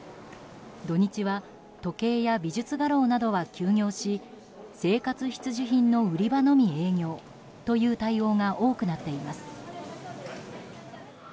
土日は時計や美術画廊などは休業し生活必需品の売り場のみ営業という対応が多くなっています。